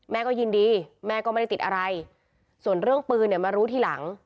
แม่ก็ยินดีแม่ก็ไม่ได้ติดอะไรส่วนเรื่องปืนเนี่ยมารู้ทีหลัง